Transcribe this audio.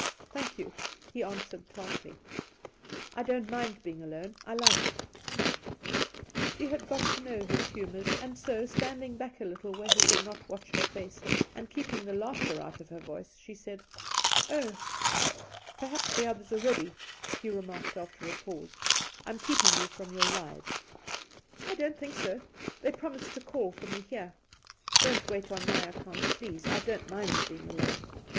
'Thank, you!' he answered tartly; 'I don't mind being alone. I like it !' She had got to know his humours, and so, standi ing back a little where he could not watch her face, and keeping the laughter out of her voice, she said: 'Oh!' ' Perhaps the others are ready,' he remarked after a pause. * I am keeping you from your ride.' ii8 Induna Nairn ' I don't think so. They promised to call for me here.' ' Don't wait on my account, please. I don't mind being alone.'